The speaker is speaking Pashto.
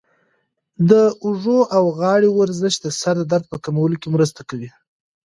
د اوږو او غاړې ورزش د سر درد په کمولو کې مرسته کوي.